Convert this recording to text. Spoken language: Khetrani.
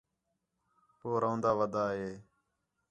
کُو رَون٘داں ودا ہے